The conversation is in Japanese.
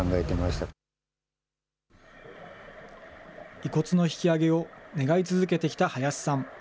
遺骨の引き揚げを願い続けてきた林さん。